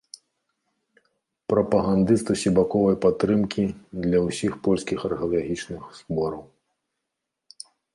Прапагандыст усебаковай падтрымкі для ўсіх польскіх археалагічных збораў.